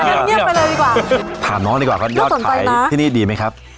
เงียบไปเลยดีกว่าถามน้องดีกว่าว่ายอดขายที่นี่ดีไหมครับ